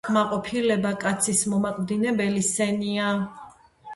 „კმაყოფილება კაცის მომაკვდინებელი სენია.“